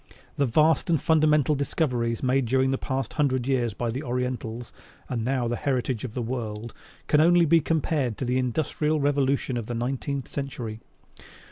The vast and fundamental discoveries made during the past hundred years by the Orientals (and now the heritage of the whole world) can only be compared to the Industrial Revolution of the nineteenth century.